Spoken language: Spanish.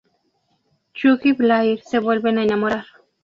Chuck y Blair se vuelven a enamorar.